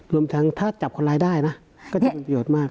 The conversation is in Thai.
รวมทั้งถ้าจับคนร้ายได้นะก็จะประโยชน์มาก